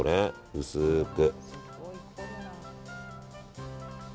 薄く。